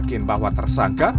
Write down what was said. tersebut akan menangis